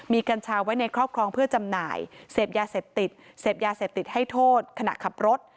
มีกัญชาไว้ในครอบครองเพื่อจำหน่ายเสพยาเสพติดเสพยาเสพติดให้โทษขณะขับรถ